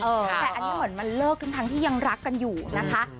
แต่อันนี้เหมือนมันเลิกทั้งที่ยังรักกันอยู่นะคะ